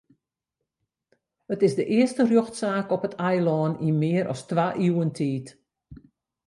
It is de earste rjochtsaak op it eilân yn mear as twa iuwen tiid.